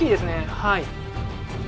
はい。